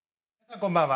こんばんは。